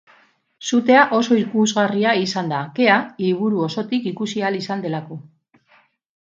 Sutea oso ikusgarria izan da, kea hiriburu osotik ikusi ahal izan delako.